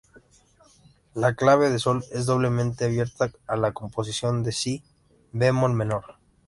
La clave de sol es doblemente abierta a la composición de Si bemol menor.